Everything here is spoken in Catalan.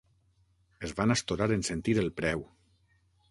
Es van astorar en sentir el preu.